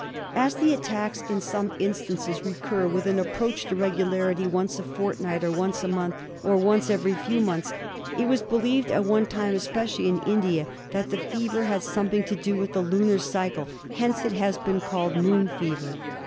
As the attacks in some instances recur with an approach to regularity once a fortnight, or once a month, or once every few months, it was believed at one time, especially in India, that the fever had something to do with the lunar cycle; hence it has been called "Moon Fever."